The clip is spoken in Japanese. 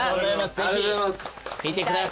ぜひ見てください。